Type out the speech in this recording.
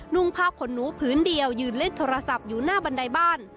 ่งผ้าขนหนูผืนเดียวยืนเล่นโทรศัพท์อยู่หน้าบันไดบ้าน